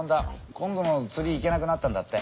今度の釣り行けなくなったんだって。